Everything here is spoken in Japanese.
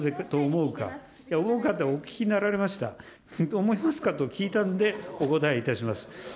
思うかって、お聞きになられました、どう思いますかと聞かれたんでお答えいたします。